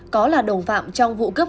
có là đồng phạm trong vụ cướp